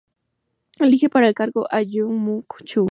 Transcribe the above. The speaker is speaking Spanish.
Elige para el cargo a Myung-Whun Chung.